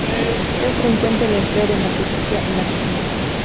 Es frecuente el empleo de mantequilla en la cocina.